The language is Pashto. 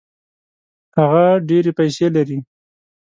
هغه ډېري پیسې لري.